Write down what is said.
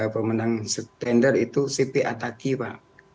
pemenang tender itu cp ataki pak